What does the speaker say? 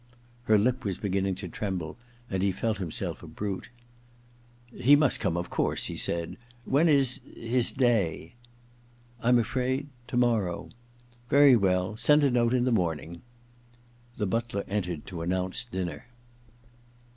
Her lip was beginning to tremble, and he felt himself a brute. * He must come, of course,' he said. * When is — his day ?'* I'm afraid — ^to morrow.' * Very well. Send a note in the morning.* The butler entered to announce dinner.